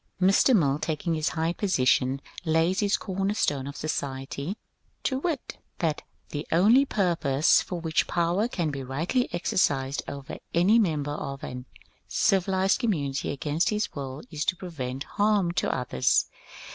Mr. Mill, taking this high position, lays his corner stone of society — to wit :^^ That the only purpose for which power can be rightly exercised over any member of a civilized community against his will is to prevent harm to others.